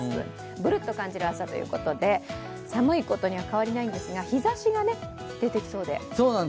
ブルッと感じる朝ということで寒いことには変わりないんですが、日ざしが出てきそうで。